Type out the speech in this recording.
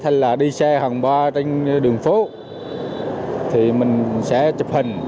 hay là đi xe hàng ba trên đường phố thì mình sẽ chụp hình